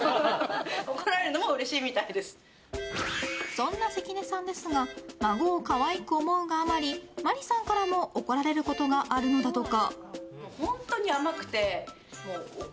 そんな関根さんですが孫を可愛く思うがあまり麻里さんからも怒られることがあるのだとか。